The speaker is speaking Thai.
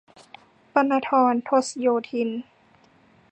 ปัณณธร ทศโยธิน